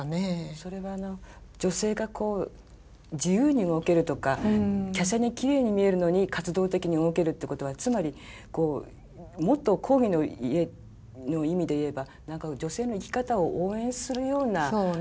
それは女性が自由に動けるとかきゃしゃにきれいに見えるのに活動的に動けるってことはつまりもっと広義の意味で言えば何か女性の生き方を応援するようなファッションでもあるわけですよね。